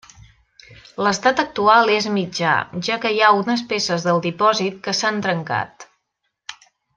L'estat actual és mitjà, ja que hi ha unes peces del depòsit que s'han trencat.